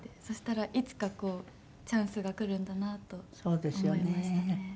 そしたらいつかこうチャンスがくるんだなと思いましたね。